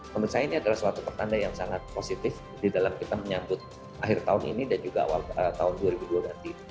menurut saya ini adalah suatu pertanda yang sangat positif di dalam kita menyambut akhir tahun ini dan juga tahun dua ribu dua puluh